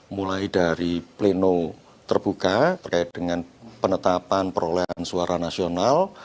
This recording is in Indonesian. mulai dari pleno terbuka terkait dengan penetapan perolehan suara nasional